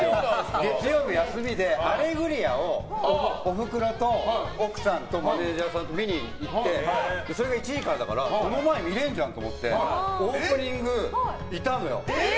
月曜日、休みで「アレグリア」をおふくろと奥さんとマネジャーさんと見に行ってそれが１時間だからその前、見れるじゃんって思ってオープニングいたのよ。